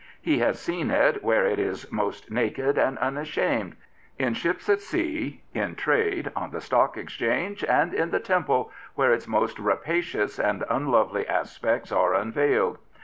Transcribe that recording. He has seen it where it is most naked and unashamed — in ships at sea, in trade, on the Stock Exchange, and in the Temple, where its most rapacious and unlovely aspects are unveiled.